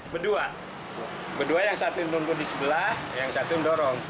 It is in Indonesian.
berdua kedua yang satu nunggu di sebelah yang satu mendorong